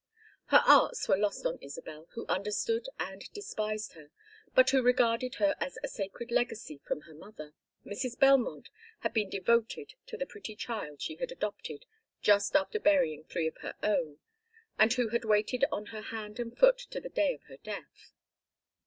Her arts were lost on Isabel, who understood and despised her, but who regarded her as a sacred legacy from her mother; Mrs. Belmont had been devoted to the pretty child she had adopted just after burying three of her own, and who had waited on her hand and foot to the day of her death.